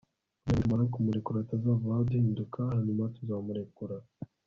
kugira ngo nitumara kumurekura atazavaho aduhinduka; hanyuma tuzamurekura